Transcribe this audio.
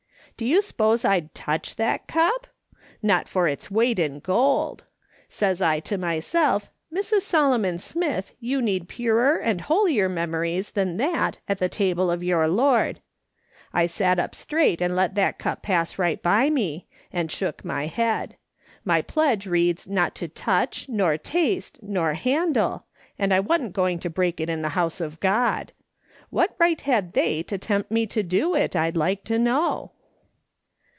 Do you s'pose I'd touch that cup? Not for its weight in gold. Says I to myself, ' Mrs. Solomon Smith, you need purer and holier memo ries than that at the table of your Lord. I sat up straight and let that cup pass right by me, and shook my head. My pledge reads not to touch, nor taste, nor handle, and I wa'n't going to break it in the house of God. What right had they to tempt me to do it, I'd like to know